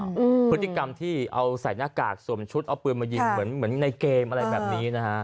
อืมพฤติกรรมที่เอาใส่หน้ากากสวมชุดเอาปืนมายิงเหมือนเหมือนในเกมอะไรแบบนี้นะฮะ